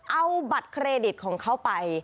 เอาบัตรเครดิตของเขาไป